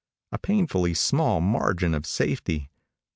A painfully small margin of safety.